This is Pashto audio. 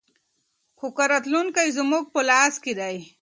خو راتلونکی زموږ په لاس کې دی.